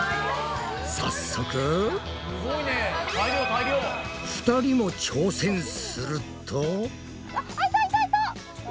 早速２人も挑戦すると。